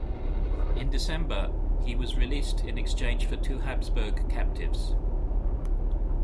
In December, he was released in exchange for two Habsburg captives.